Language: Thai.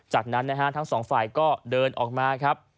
จากนั้นนะฮะทั้งสองฝ่ายก็เดินออกมาครับ